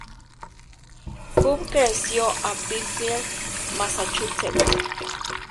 Cobb creció en Pittsfield, Massachusetts.